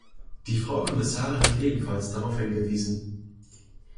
Die Frau Kommissarin hat ebenfalls darauf hingewiesen.